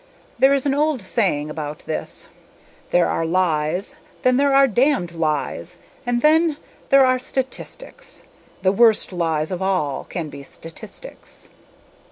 There is an old saying about this: 'There are lies, then there are damned lies, and then, there are statistics. The worse lies of all can be statistics.'